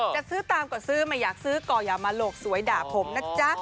จะซื้อตามก็ซื้อไม่อยากซื้อก็อย่ามาโหลกสวยด่าผมนะจ๊ะ